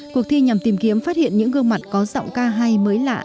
cuộc thi nhằm tìm kiếm phát hiện những gương mặt có giọng ca hay mới lạ